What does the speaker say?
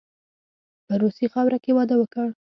په روسي خاوره کې واده وکړ.